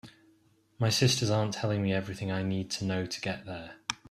My sisters aren’t telling me everything I need to know to get there.